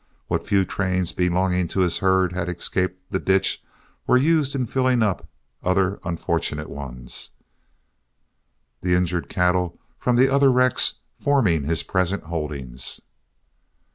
What few trains belonging to his herd had escaped the ditch were used in filling up other unfortunate ones, the injured cattle from the other wrecks forming his present holdings.